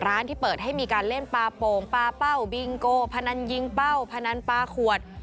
ที่เปิดให้มีการเล่นปลาโป่งปลาเป้าบิงโกพนันยิงเป้าพนันปลาขวด